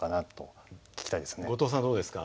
後藤さんどうですか？